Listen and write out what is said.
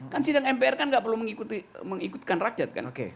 kan sidang mpr enggak perlu mengikutkan rakyat kan